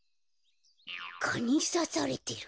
かにさされてる。